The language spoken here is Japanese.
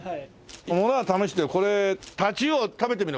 ものは試しでこれタチウオ食べてみるわ。